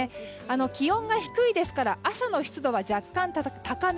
気温が低いですから朝の湿度は若干高め。